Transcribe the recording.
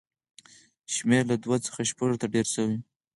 شمېر یې له دوو څخه شپږو ته ډېر شوی و